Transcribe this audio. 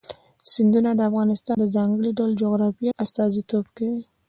سیندونه د افغانستان د ځانګړي ډول جغرافیه استازیتوب کوي.